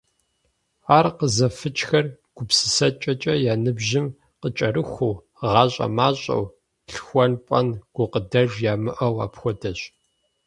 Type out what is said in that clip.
Ар къызэфыкӀхэр гупсысэкӀэкӀэ я ныбжьым къыкӀэрыхуу, гъащӀэ мащӀэу, лъхуэн-пӀэн гукъыдэж ямыӀэу апхуэдэщ.